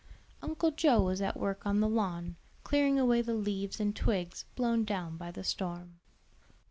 Uncle Joe was at work on the lawn, clearing away the leaves and twigs blown down by the storm.